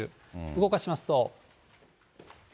動かしますと。